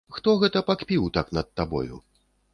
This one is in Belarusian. Хто гэта пакпіў так над табою?